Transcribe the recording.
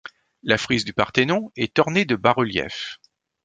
La frise du Parthénon est ornée de bas-reliefs.